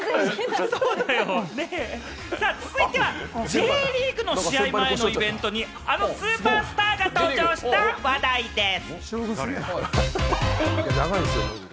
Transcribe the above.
続いてはＪリーグの試合前のイベントに、あのスーパースターが登場した話題です！